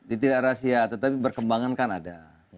itu tidak rahasia tetapi berkembangan kan ada